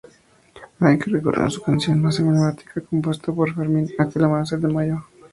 Hay que recordar su canción más emblemática, compuesta por Fermín, "Aquel amanecer de Mayo".